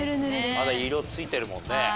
まだ色ついてるもんね。